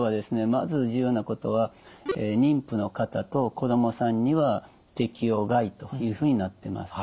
まず重要なことは妊婦の方と子どもさんには適用外というふうになってます。